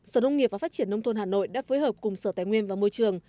sở nông nghiệp và phát triển nông thôn hà nội đã phối hợp cùng sở tài nguyên và môi trường